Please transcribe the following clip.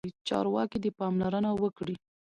چارواکي دې پاملرنه وکړي.